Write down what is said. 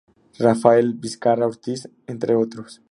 Rafael Vizcarra Ortíz", entre otros.